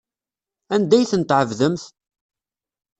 Anda ay ten-tɛebdemt?